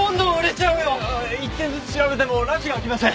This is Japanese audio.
一店ずつ調べても埒が明きません。